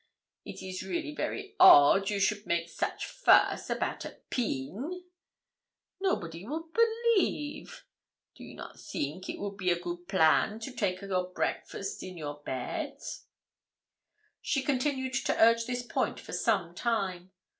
It is really very odd you should make such fuss about a pin! Nobody would believe! Do you not theenk it would be a good plan to take a your breakfast in your bed?' She continued to urge this point for some time.